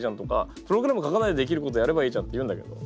プログラム書かないでできることやればいいじゃんって言うんだけど。